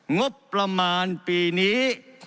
งบประมาณปีนี้